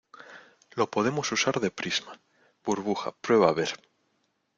lo podemos usar de prisma. burbuja, prueba a ver .